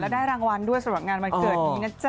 ได้รางวัลด้วยสำหรับงานวันเกิดนี้นะจ๊